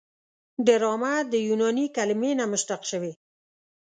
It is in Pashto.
ډرامه د یوناني کلمې نه مشتق شوې.